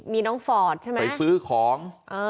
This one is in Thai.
มีน้องฟอร์ดใช่ไหมไปซื้อของ